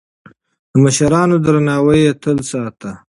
د مشرانو درناوی يې تل ساته.